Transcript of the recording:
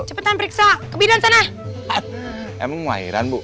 cepetan periksa ke bidan sana emang mahiran bu